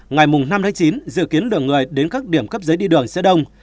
ngày năm tháng chín dự kiến lượng người đến các điểm cấp giấy đi đường sẽ đông